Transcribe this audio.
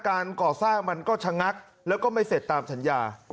การก่อสร้างมันก็ชะงักแล้วก็ไม่เสร็จตามสัญญา